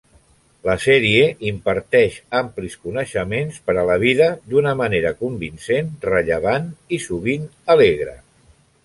La sèrie imparteix amplis coneixements per a la vida d'una manera convincent, rellevant i sovint alegre.